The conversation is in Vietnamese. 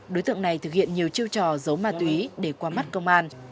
đối tượng này thực hiện nhiều chiêu trò giấu ma túy để qua mắt công an